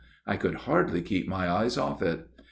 I could hardly keep my eyes off it.